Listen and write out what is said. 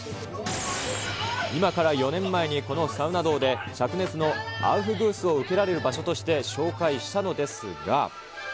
今から４年前にこのサウナ道で、しゃく熱のアウフグースを受けられる場所として紹介したのですが。